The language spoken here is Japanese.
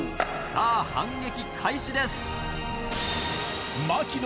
さぁ反撃開始です。